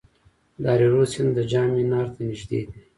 د هریرود سیند د جام منار ته نږدې دی